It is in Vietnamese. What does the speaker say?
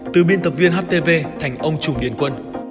từ biên tập viên htv thành ông trùm điền quân